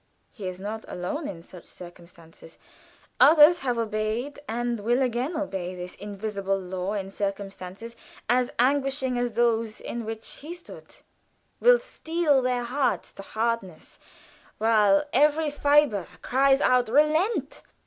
He is not alone in such circumstances. Others have obeyed and will again obey this invisible law in circumstances as anguishing as those in which he stood, will steel their hearts to hardness while every fiber cries out, "Relent!"